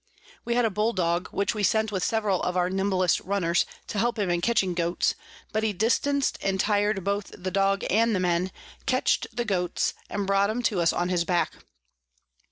We had a Bull Dog, which we sent with several of our nimblest Runners, to help him in catching Goats; but he distanc'd and tir'd both the Dog and the Men, catch'd the Goats, and brought 'em to us on his back.